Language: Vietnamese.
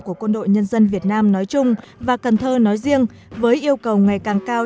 của quân đội nhân dân việt nam nói chung và cần thơ nói riêng với yêu cầu ngày càng cao